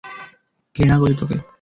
ঘৃণা করি তোকে!